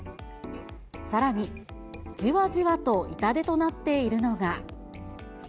さらに、じわじわと痛手となっているのが。